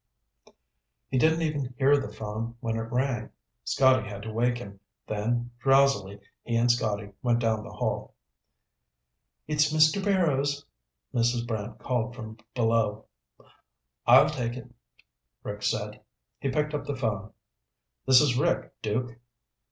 He didn't even hear the phone when it rang. Scotty had to wake him. Then, drowsily, he and Scotty went down the hall. "It's Mr. Barrows," Mrs. Brant called from below. "I'll take it," Rick said. He picked up the phone. "This is Rick, Duke."